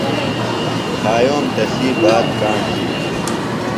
پھایوم تسی بات کاݨ تِھیلیۡ۔